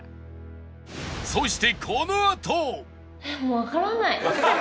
そしてこのあと